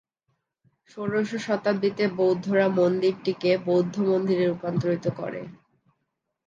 ষোড়শ শতাব্দীতে বৌদ্ধরা মন্দিরটিকে বৌদ্ধ মন্দিরে রূপান্তরিত করে।